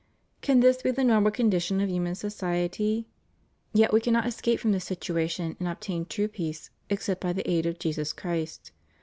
Can this be the normal condition of human society? Yet we caimot es cape from this situation, and obtain true peace, except by the aid of Jesus Christ.